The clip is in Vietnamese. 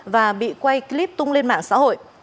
và bị quay clip tung lên mạng xã hội